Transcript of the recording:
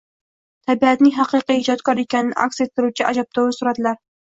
Tabiatning haqiqiy ijodkor ekanini aks ettiruvchi ajabtovur suratlar